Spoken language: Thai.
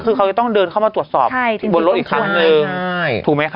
คือต้องเดินเข้ามาตรวจสอบบนรถคังมั้ย